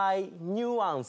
ニュアンス！？